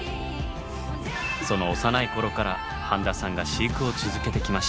その幼い頃から半田さんが飼育を続けてきました。